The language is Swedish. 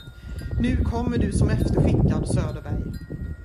Nu kommer du som efterskickad, Söderberg.